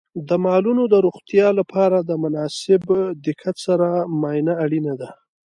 د مالونو د روغتیا لپاره د مناسب دقت سره معاینه اړینه ده.